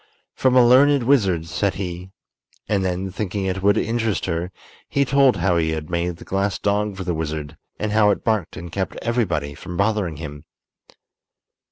"From a learned wizard," said he; and then, thinking it would interest her, he told how he had made the glass dog for the wizard, and how it barked and kept everybody from bothering him.